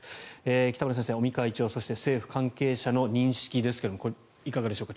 北村先生、尾身会長そして、政府関係者の認識ですがこれ、いかがでしょうか？